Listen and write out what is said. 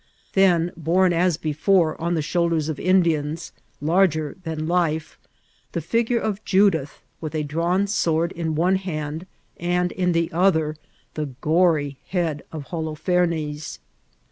Then, borne as beCtnre, on the riioulders of Indians, kurgsr than lifci the figure ot Judith, with a drawn sword in one hand» and in the otfier the gory head of Holofomea.